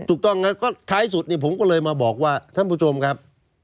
ถูกต้องครับก็ท้ายสุดผมก็เลยมาบอกว่าท่านผู้ชมครับ